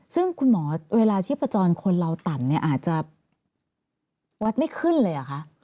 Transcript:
ซึ่งคุณหมอเวลาชีพจรคนเราต่ำเนี่ยอาจจะวัดไม่ขึ้นเลยเหรอคะ